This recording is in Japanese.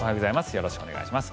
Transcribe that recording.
よろしくお願いします。